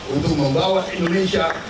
untuk membawa indonesia